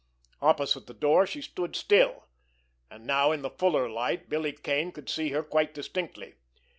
Opposite the door she stood still, and now in the fuller light Billy Kane could see her quite distinctly.